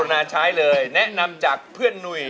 นาใช้เลยแนะนำจากเพื่อนหนุ่ย